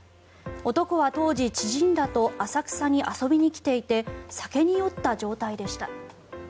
男は当時、知人らと浅草に遊びに来ていて酒に酔った状態でした。